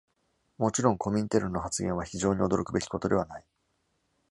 もちろん、コミンテルンの発言は、非常に驚くべきことではない。